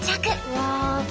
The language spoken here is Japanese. うわ。